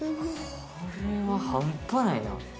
これは半端ないな。